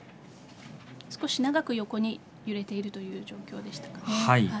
少し長く横に揺れているという状況でしたかね。